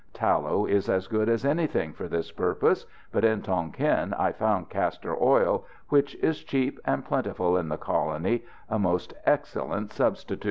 Tallow is as good as anything for this purpose, but in Tonquin I found castor oil which is cheap and plentiful in the colony a most excellent substitute.